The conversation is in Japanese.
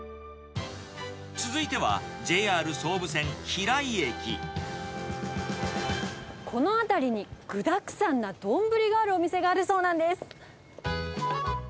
続いては、この辺りに、具だくさんな丼があるお店があるそうなんです。